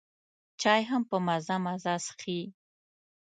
چای هم په مزه مزه څښي.